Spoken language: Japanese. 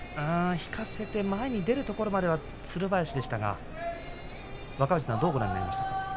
引かせて前に出るところまではつる林でしたが若藤さんどうご覧になりましたか。